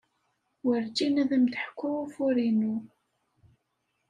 Werǧin ad am-d-ḥkuɣ ufur-inu.